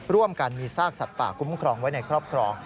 ร่วมกันมีซากสัตว์ป่าคุ้มครองไว้ในครอบครอง